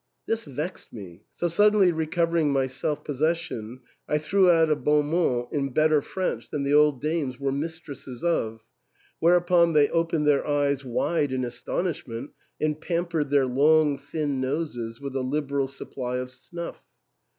This vexed me ; so suddenly recovering my self possession, I threw out a bonmot in better French than the old dames were mistresses of ; whereupon they opened their eyes wide in astonishment, and pampered their long thin noses with a liberal supply of snuff.